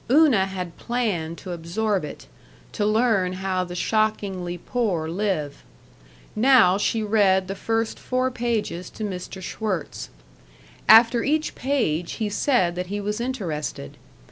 Una had planned to absorb it; to learn how the shockingly poor live. Now she read the first four pages to Mr. Schwirtz. After each page he said that he was interested.